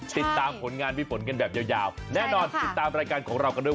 ติดตามผลงานพี่ฝนกันแบบยาวแน่นอนติดตามรายการของเรากันด้วย